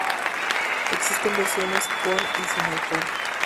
Existen versiones con y sin alcohol.